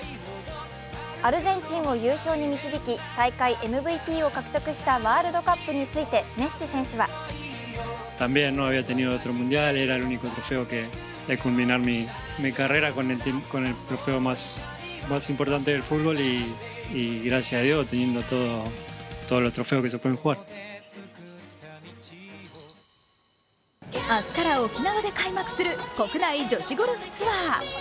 アルゼンチンを優勝に導き大会ＭＶＰを獲得したワールドカップについてメッシ選手は明日から沖縄で開幕する国内女子ゴルフツアー。